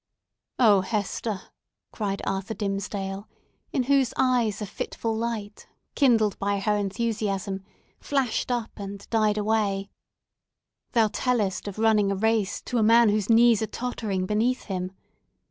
"Oh, Hester!" cried Arthur Dimmesdale, in whose eyes a fitful light, kindled by her enthusiasm, flashed up and died away, "thou tellest of running a race to a man whose knees are tottering beneath him!